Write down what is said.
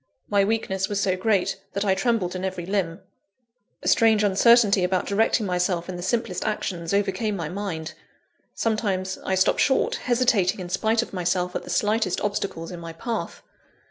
My weakness was so great, that I trembled in every limb. A strange uncertainty about directing myself in the simplest actions, overcame my mind. Sometimes, I stopped short, hesitating in spite of myself at the slightest obstacles in my path.